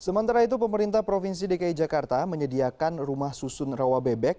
sementara itu pemerintah provinsi dki jakarta menyediakan rumah susun rawa bebek